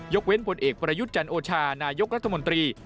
เว้นผลเอกประยุทธ์จันโอชานายกรัฐมนตรี